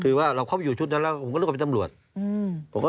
คือว่าเราพบอยู่ชุดนั้นแล้วผมก็รู้เขาเป็นตำรวจอืม